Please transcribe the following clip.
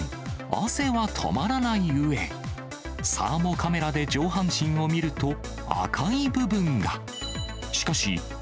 汗は止まらないうえ、サーモカメラで上半身を見ると、赤い部分が。